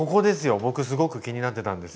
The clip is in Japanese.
僕すごく気になってたんですよ